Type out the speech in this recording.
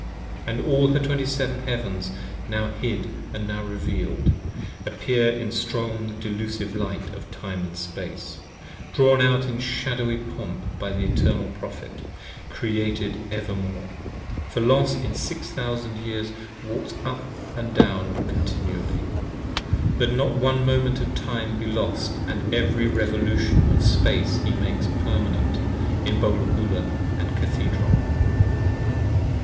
And all her Twenty seven Heavens, now hid & now reveal'd, 5 Appear in strong delusive light of Time & Space, drawn out In shadowy pomp by the Eternal Prophet, created evermore: For Los in Six Thousand Years walks up & down continually, That not one Moment of Time be lost, & every revolution Of Space he makes permanent in Bowlahoola & Cathedron.